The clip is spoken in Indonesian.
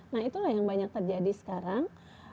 nah itulah yang banyak terjadi sekarang